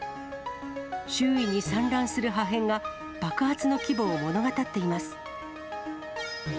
周囲に散乱する破片が爆発の規模を物語っています。